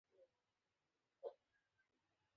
তোমরা জেনে রেখ, সে এক-চক্ষুবিশিষ্ট।